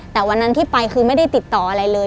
แต่วันนั้นที่ไปคือไม่ได้ติดต่ออะไรเลย